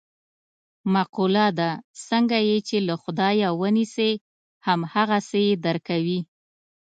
مقوله ده: څنګه یې چې له خدایه و نیسې هم هغسې یې در کوي.